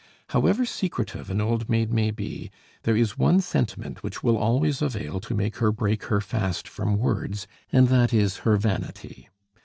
However secretive an old maid may be, there is one sentiment which will always avail to make her break her fast from words, and that is her vanity.